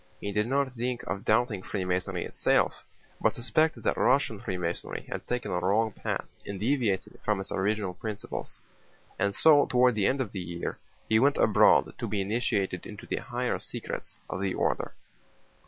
He did not think of doubting Freemasonry itself, but suspected that Russian Masonry had taken a wrong path and deviated from its original principles. And so toward the end of the year he went abroad to be initiated into the higher secrets of the order.